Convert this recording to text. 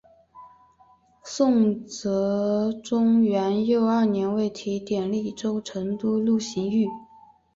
宋哲宗元佑二年为提点利州成都路刑狱。